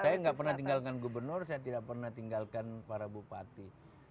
saya nggak pernah tinggalkan gubernur saya tidak pernah tinggalkan para bupati